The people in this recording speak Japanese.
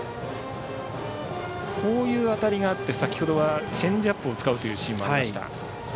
こういう当たりがあって先ほどはチェンジアップを使うシーンもありました。